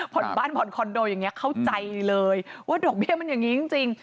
ผ่อนบ้านผ่อนคอนโดอย่างนี้เข้าใจเลยว่าดอกเบี้ยมันอย่างนี้จริง